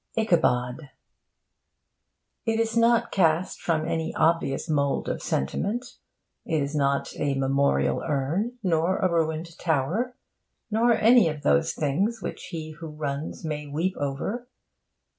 ICHABOD It is not cast from any obvious mould of sentiment. It is not a memorial urn, nor a ruined tower, nor any of those things which he who runs may weep over.